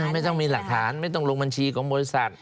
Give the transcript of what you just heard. ไม่ต้องมีหลักฐานไม่ต้องลงบัญชีของบริษัท